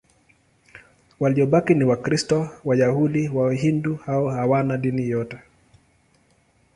Waliobaki ni Wakristo, Wayahudi, Wahindu au hawana dini yote.